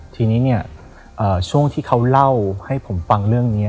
ทีนี้เนี่ยช่วงที่เขาเล่าให้ผมฟังเรื่องนี้